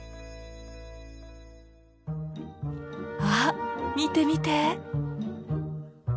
あ見て見て！